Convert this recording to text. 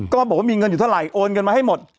ก็บอกว่ามีเงินอยู่เท่าไหโอนเงินมาให้หมด